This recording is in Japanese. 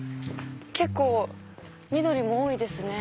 結構緑も多いですね。